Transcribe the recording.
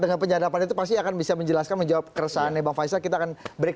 dengan penyadapan itu pasti akan bisa menjelaskan menjawab keresahannya bang faisal kita akan break